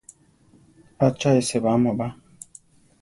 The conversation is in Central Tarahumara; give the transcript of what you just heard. ¿ʼA cha e sébama ba?